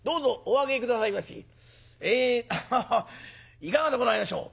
いかがでございましょう？」。